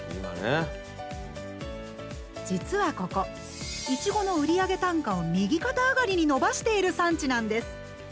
実はここいちごの売上単価を右肩上がりに伸ばしている産地なんです。